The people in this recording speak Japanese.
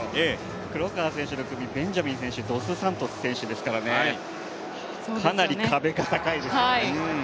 黒川選手の組、ベンジャミン選手、ドスサントス選手ですから、かなり壁が高いですよね。